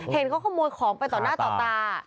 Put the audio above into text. เห็นเขาขโมยของไปต่อหน้าต่อตา